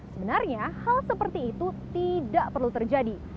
sebenarnya hal seperti itu tidak perlu terjadi